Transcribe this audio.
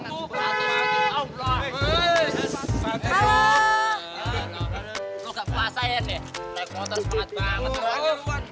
lo gak puasa ya naik motor semangat banget